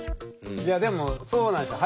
いやでもそうなんですよ。